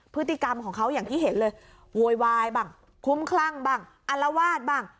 พฤติกรรมของเขาอย่างที่เห็นเลยโวยวายบ้างคุ้มคลั่งบ้างอารวาสบ้าง